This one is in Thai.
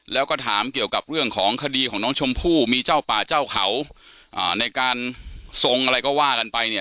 แล้วก็ถามเกี่ยวกับเรื่องของคดีของน้องชมพู่มีเจ้าป่าเจ้าเขาในการทรงอะไรก็ว่ากันไปเนี่ย